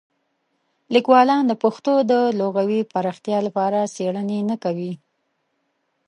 لیکوالان د پښتو د لغوي پراختیا لپاره څېړنې نه کوي.